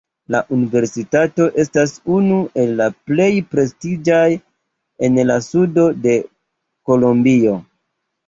La universitato estas unu el la plej prestiĝaj en la sudo de kolombio.